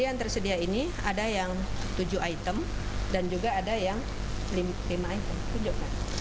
yang tersedia ini ada yang tujuh item dan juga ada yang lima item tujuh